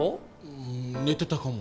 うん寝てたかも。